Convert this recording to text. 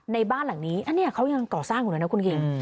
ในบ้านหลังนี้อันนี้เขายังก่อสร้างอยู่เลยนะคุณคิง